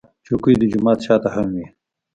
چوکۍ د جومات شا ته هم وي.